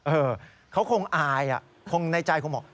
เออเขาคงอายคงในใจคงบอก